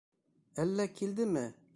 Әллә килдеме?